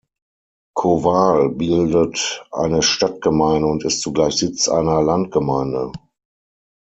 Kowal bildet eine Stadtgemeinde und ist zugleich Sitz einer Landgemeinde.